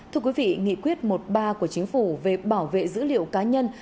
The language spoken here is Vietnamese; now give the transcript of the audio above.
thưa quý vị nghị quyết một mươi ba của chính phủ về bảo vệ dữ liệu cá nhân